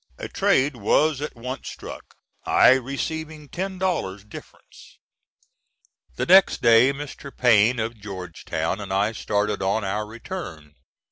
A trade was at once struck, I receiving ten dollars difference. The next day Mr. Payne, of Georgetown, and I started on our return.